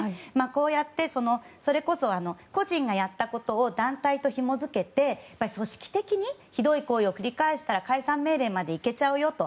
こうやってそれこそ個人がやったことを団体と紐づけて組織的にひどい行為を繰り返したら解散命令までいけちゃうよと。